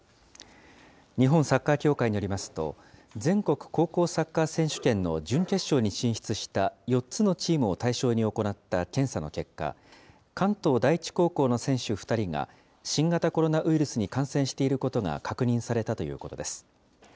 日本サッカー協会によりますと、全国高校サッカー選手権の準決勝に進出した４つのチームを対象に行った検査の結果、関東第一高校の選手２人が新型コロナウイルスに感染していることが確認されたということです。